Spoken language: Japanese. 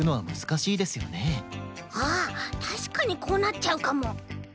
ああたしかにこうなっちゃうかも。